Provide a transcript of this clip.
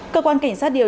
cơ quan cảnh sát điều trị